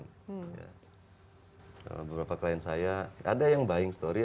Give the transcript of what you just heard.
beberapa klien saya ada yang buying story